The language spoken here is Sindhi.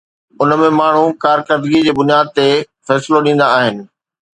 ان ۾ ماڻهو ڪارڪردگيءَ جي بنياد تي فيصلو ڏيندا آهن.